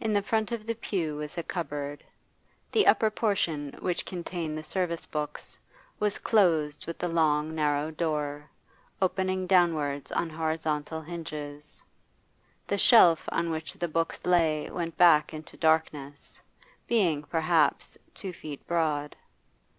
In the front of the pew was a cupboard; the upper portion, which contained the service books, was closed with a long, narrow door, opening downwards on horizontal hinges; the shelf on which the books lay went back into darkness, being, perhaps, two feet broad.